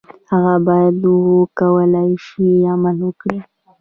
هغه باید وکولای شي عمل وکړي.